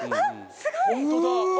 すごい！